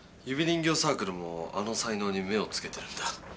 指人形サークルもあの才能に目をつけてるんだ。